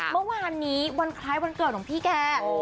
เมื่อวานนี้วันคล้ายวันเกิดของพี่แก